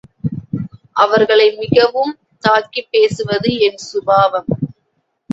அவர்களை மிகவும் தாக்கிப் பேசுவது என் சுபாவம்.